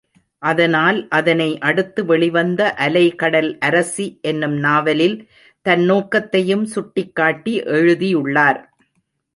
அதனால் அதனை அடுத்து வெளிவந்த அலைகடல் அரசி என்னும் நாவலில் தன் நோக்கத்தையும் சுட்டிக்காட்டி எழுதியுள்ளார்.